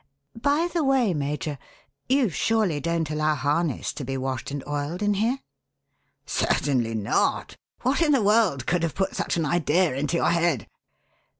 By the way, Major, you surely don't allow harness to be washed and oiled in here?" "Certainly not! What in the world could have put such an idea into your head?"